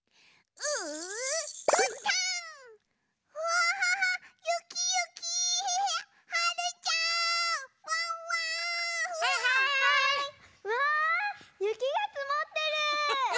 うわゆきがつもってる！